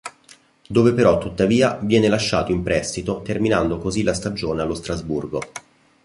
Dove però tuttavia viene lasciato in prestito terminando così la stagione allo Strasburgo.